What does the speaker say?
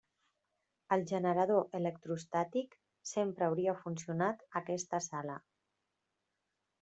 El generador electroestàtic sempre hauria funcionat a aquesta sala.